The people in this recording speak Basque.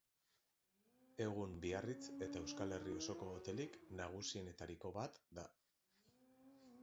Egun Biarritz eta Euskal Herri osoko hotelik nagusienetariko bat da.